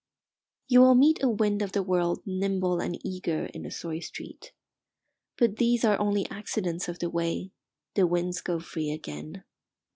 You will meet a wind of the world nimble and eager in a sorry street. But these are only accidents of the way the winds go free again.